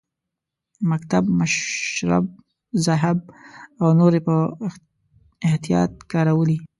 مکتب، مشرب، ذهب او نور یې په احتیاط کارولي.